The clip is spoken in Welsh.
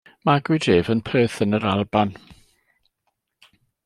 Magwyd ef yn Perth yn yr Alban.